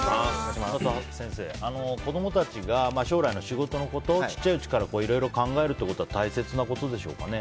沼田先生、子供たちが将来の仕事のことちっちゃいうちからいろいろ考えることは大切なことでしょうかね。